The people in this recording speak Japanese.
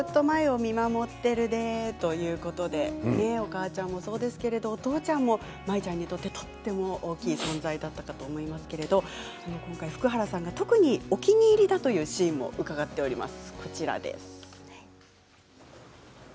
お母ちゃんもそうですけれどお父ちゃんも舞ちゃんにとっては大きな存在だったと思いますけど福原さんが特にお気に入りだというシーンを伺っています。